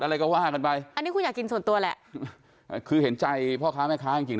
อะไรก็ว่ากันไปอันนี้คุณอยากกินส่วนตัวแหละคือเห็นใจพ่อค้าแม่ค้าจริงจริง